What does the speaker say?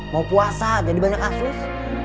mau puasa jadi banyak kasus